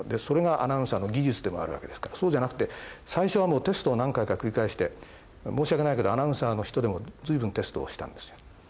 それがアナウンサーの技術でもあるわけですからそうじゃなくて最初はテストを何回か繰り返して申し訳ないけどアナウンサーの人でも随分テストをしたんですよ